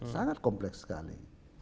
sangat kompleks sekali